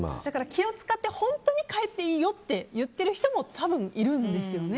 気を使って本当に帰っていいよって言ってる人も多分いるんですよね。